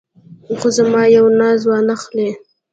خو زما یو ناز وانه خلې.